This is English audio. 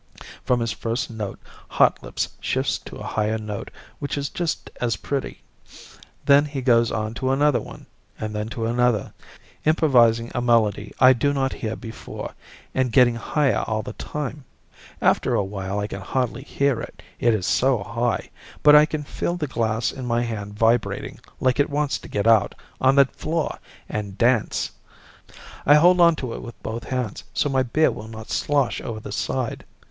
From his first note, Hotlips shifts to a higher note which is just as pretty. Then he goes on to another one and then to another, improvising a melody I do not hear before and getting higher all the time. After a while I can hardly hear it, it is so high, but I can feel the glass in my hand vibrating like it wants to get out on the floor and dance. I hold on to it with both hands, so my beer will not slosh over the side.